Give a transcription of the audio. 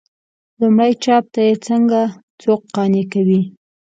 لومړي چاپ ته یې څنګه څوک قانع کوي.